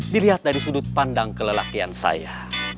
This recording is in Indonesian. dilihat dari sudut pandang kelelakian saya